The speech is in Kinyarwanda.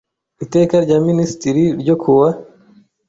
Iteka rya Minisitiri n ryo kuwa